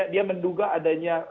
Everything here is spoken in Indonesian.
dia menduga adanya